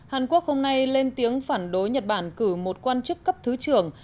hàn quốc hôm nay lên tiếng phản đối nhật bản cử một quan chức cấp thứ trưởng